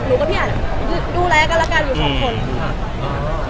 หนูก็ไม่อยากดูแลกันและกันอยู่สองคน